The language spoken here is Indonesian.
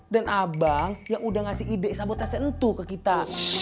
dan abang yang udah ngasih ide sabotase entuh ke kita